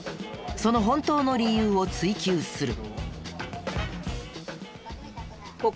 その本当の理由を追及する。